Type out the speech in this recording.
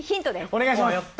お願いします。